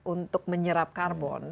untuk menyerap karbon